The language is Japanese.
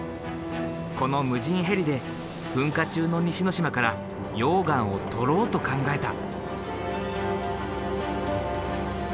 この無人ヘリで噴火中の西之島から溶岩を採ろうと考えた。